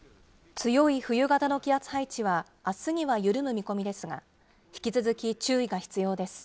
強い冬型の気圧配置は、あすには緩む見込みですが、引き続き注意が必要です。